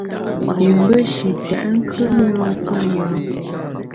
Yim be shi tèt nkùt na mfa yâ.